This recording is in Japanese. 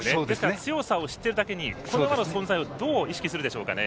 強さを知っているだけにこの馬の存在をどう意識するでしょうかね。